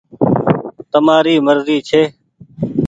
تمآري مرزي ڇي۔